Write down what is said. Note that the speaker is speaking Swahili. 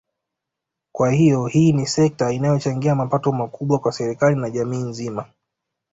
Kwa hiyo hii ni sekta inayochangia mapato makubwa kwa serikali na jamii nzima